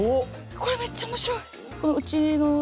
これめっちゃ面白い。